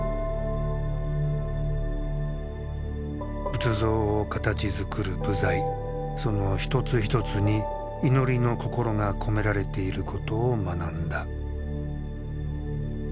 仏像を形づくる部材その一つ一つに祈りの心が込められていることを学んだ。